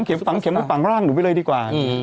ฝังเข็มกูฝังร่างหนูไปเลยดีกว่า